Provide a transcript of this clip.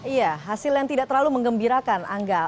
iya hasil yang tidak terlalu mengembirakan angga